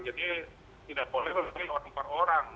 jadi tidak boleh memilih orang per orang